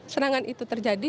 serangan itu terjadi